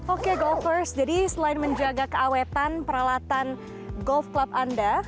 oke golfers jadi selain menjaga keawetan peralatan golf club anda